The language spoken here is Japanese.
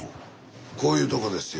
こういうとこですよ。